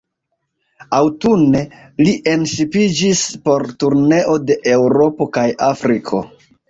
Aŭtune, li enŝipiĝis por turneo de Eŭropo kaj Afriko.